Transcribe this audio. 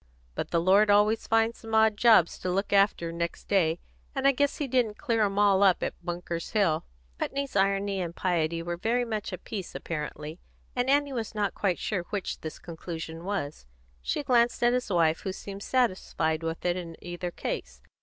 But the Lord always finds some odd jobs to look after next day, and I guess He didn't clear 'em all up at Bunker's Hill." Putney's irony and piety were very much of a piece apparently, and Annie was not quite sure which this conclusion was. She glanced at his wife, who seemed satisfied with it in either case.